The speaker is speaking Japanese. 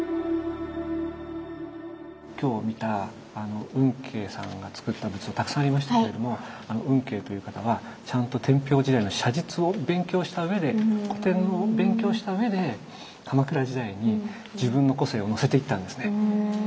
今日見た運慶さんがつくった仏像たくさんありましたけれども運慶という方はちゃんと天平時代の写実を勉強したうえで古典を勉強したうえで鎌倉時代に自分の個性をのせていったんですね。